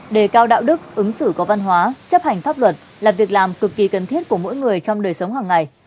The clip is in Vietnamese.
đề cao đạo đức ứng xử có văn hóa chấp hành pháp luật là việc làm cực kỳ cần thiết của mỗi người trong đời sống hàng ngày